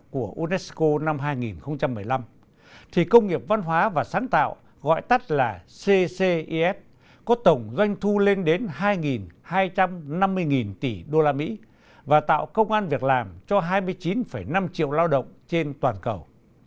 của unesco năm hai nghìn một mươi năm thì công nghiệp văn hóa và sáng tạo gọi tắt là ccif có tổng doanh thu lên đến hai hai trăm năm mươi tỷ usd và tạo công an việc làm cho hai mươi chín năm triệu lao động trên toàn cầu